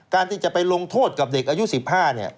การที่จะไปลงโทษกับเด็กอายุ๑๕ลุงและถูกชักจูงนี่